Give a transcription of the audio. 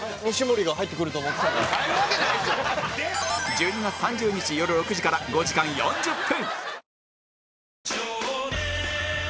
１２月３０日よる６時から５時間４０分